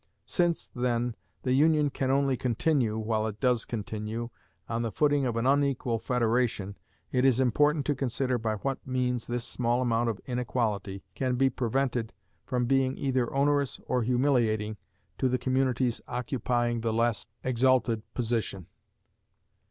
Since, then, the union can only continue, while it does continue, on the footing of an unequal federation, it is important to consider by what means this small amount of inequality can be prevented from being either onerous or humiliating to the communities occupying the less exalted position.